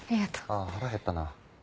ああ腹減ったな。